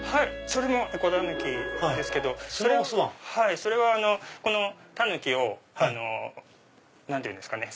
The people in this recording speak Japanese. それもえこだぬきですけどそれはこのタヌキを何て言うんですかね。